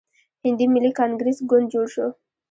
هندي ملي کانګریس ګوند جوړ شو.